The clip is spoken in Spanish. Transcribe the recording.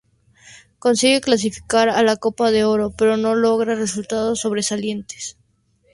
Consigue clasificar a la Copa de Oro pero no logra resultados sobresalientes.